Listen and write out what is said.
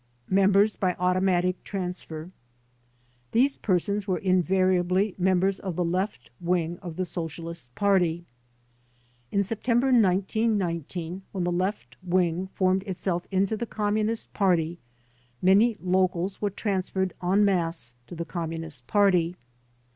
Members by Automatic Transfer These persons were invariably members, of the Left Wing of the Socialist Party. In September, 1919, when 56 THE DBFOBTATION CASKS the Left Wing formed itself into the Communist Party, many locals were transferred en masse to the Commu nist Party.